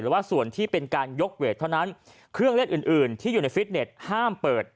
หรือว่าส่วนที่เป็นการยกเวทเท่านั้นเครื่องเล่นอื่นอื่นที่อยู่ในฟิตเน็ตห้ามเปิด